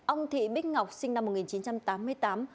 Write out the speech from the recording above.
ông thị bích ngọc sinh năm một nghìn chín trăm tám mươi tám